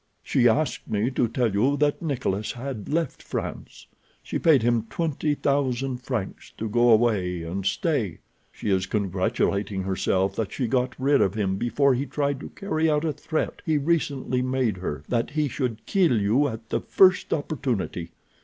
She asked me to tell you that Nikolas had left France. She paid him twenty thousand francs to go away, and stay. She is congratulating herself that she got rid of him before he tried to carry out a threat he recently made her that he should kill you at the first opportunity.